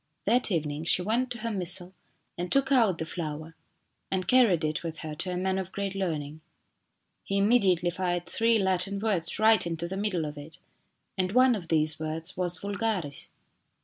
That evening she went to her missal and took out the flower and 294 STORIES IN GREY carried it with her to a man of great learning. He immediately fired three Latin words right into the middle of it and one of these words was " vulgaris."